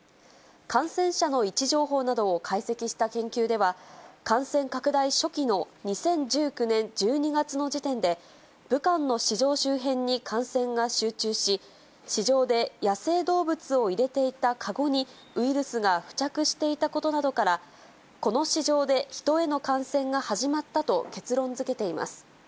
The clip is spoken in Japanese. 感染者の位置情報などを解析した研究では、感染拡大初期の２０１９年１２月の時点で、武漢の市場周辺に感染が集中し、市場で野生動物を入れていたかごにウイルスが付着していたことなどから、この市場でヒトへの感染が始まったと結論づけています。